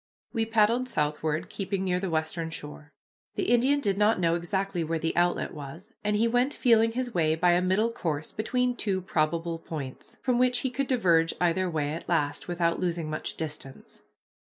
We paddled southward, keeping near the western shore. The Indian did not know exactly where the outlet was, and he went feeling his way by a middle course between two probable points, from which he could diverge either way at last without losing much distance.